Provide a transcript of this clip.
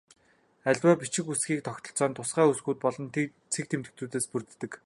Аливаа бичиг үсгийн тогтолцоо нь тусгай үсгүүд болон цэг тэмдэгтүүдээс бүрддэг.